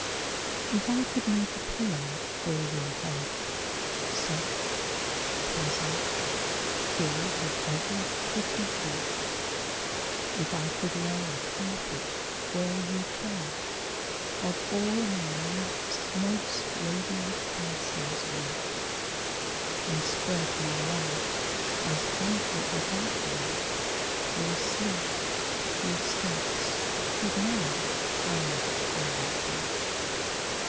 If I could make a pillow for your head, Soft, pleasant, filled with every pretty thought; If I could lay a carpet where you tread Of all my life's most radiant fancies wrought, And spread my love as canopy above you, Your sleep, your steps should know how much I love you.